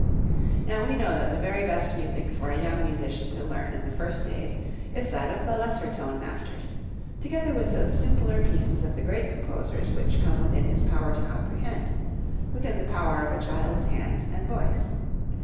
Now, we know that the very best music for a young musician to learn in the first days is that of the lesser tone masters, together with those simpler pieces of the great composers which come within his power to comprehend within the power of a child's hands and voice.